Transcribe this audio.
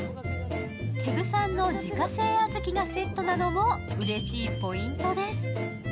テグ産の自家製小豆がセットなのもうれしいポイントです。